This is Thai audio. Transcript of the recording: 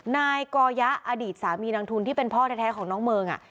นายกอยะอดีตสามีนางทุนที่เป็นพ่อแท้ของน้องเมิง